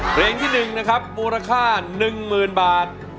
เพลงที่๑นะครับมูลค่า๑๐๐๐บาท